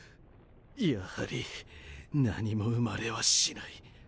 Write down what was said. やはり何も生まれはしない。